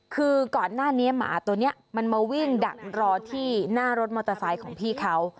คือก่อนหน้านี้หมาตัวนี้มันมาวิ่งดักรอที่หน้ารถมอเตอร์ไซค์ของพี่เขา